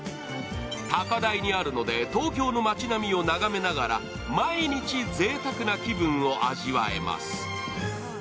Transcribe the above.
高台にあるので東京の街並みを眺めながら毎日、ぜいたくな気分を味わえます。